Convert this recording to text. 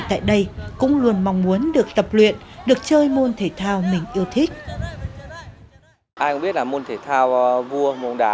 ai cũng biết là môn thể thao vua môn đá